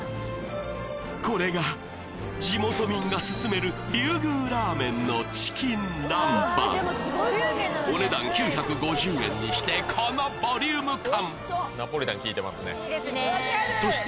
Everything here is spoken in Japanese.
これが地元民がすすめる竜宮ラーメンのお値段９５０円にしてこのボリューム感！